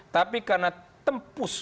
tapi karena tempus